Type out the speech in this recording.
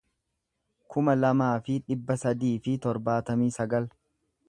kuma lamaa fi dhibba sadii fi torbaatamii sagal